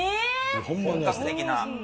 本格的な。